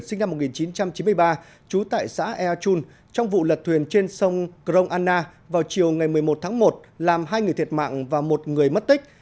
sinh năm một nghìn chín trăm chín mươi ba trú tại xã ea chun trong vụ lật thuyền trên sông crong anna vào chiều ngày một mươi một tháng một làm hai người thiệt mạng và một người mất tích